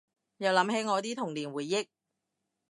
又諗起我啲童年回憶